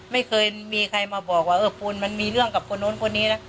ไม่เคยมีใครมาบอกว่าเออคุณมันมีเรื่องกับคนนู้นคนนี้นะ